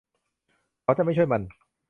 เขาจะไม่ช่วยมัน